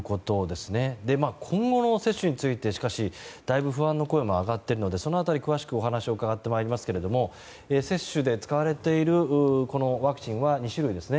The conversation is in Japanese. しかし、今後の接種についてだいぶ不安の声も上がっているのでその辺り、詳しくお話を伺ってまいりますが接種で使われているワクチンは２種類ですね。